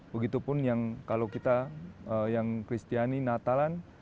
begitu pun kalau kita yang kristiani natalan